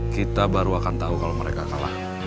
kita baru akan tahu kalau mereka kalah